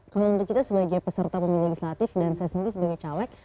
kalau untuk kita sebagai peserta pemilu legislatif dan saya sendiri sebagai caleg